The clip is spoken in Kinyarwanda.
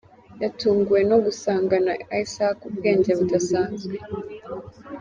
Yatunguwe no gusangana Isaac ubwenge budasanzwe.